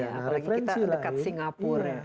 apalagi kita dekat singapura